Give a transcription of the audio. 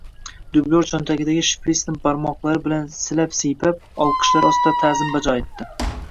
Dublyor choʻntagidagi shpritsni barmoqlari bilan silab-siypab, olqishlar ostida taʼzim bajo etdi.